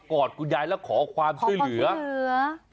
กอดคุณยายแล้วขอความช่วยเหลือขอความช่วยเหลือ